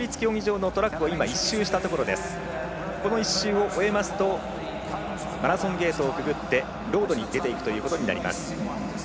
この１周を終えますとマラソンゲートをくぐってロードに出ていくということになります。